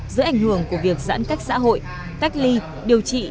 giữa ảnh hưởng của việc giãn cách xã hội cách ly điều trị